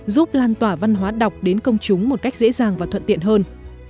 giúp lan tỏa văn hóa đọc đến công chúng một cách dễ dàng và thuận tiện hơn